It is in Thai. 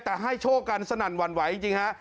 แต่ให้โชครับสนั่นหวั่นวัยจริงค่ะฮ่า